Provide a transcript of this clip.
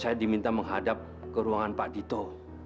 saya diminta menghadap ke ruangan pak dito